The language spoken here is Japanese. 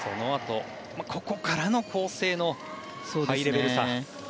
ここからの構成のハイレベルさ。